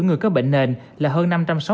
người có bệnh nền là hơn năm trăm sáu mươi